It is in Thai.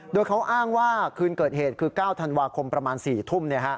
โดยเขาอ้างว่าคืนเกิดเหตุคือ๙ธันวาคมประมาณ๔ทุ่ม